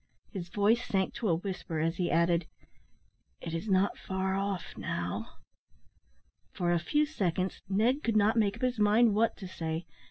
His voice sank to a whisper as he added, "It is not far off now." For a few seconds Ned could not make up his mind what to say.